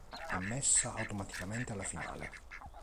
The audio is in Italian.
Ammessa automaticamente alla finale.